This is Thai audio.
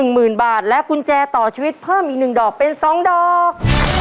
หมื่นบาทและกุญแจต่อชีวิตเพิ่มอีก๑ดอกเป็น๒ดอก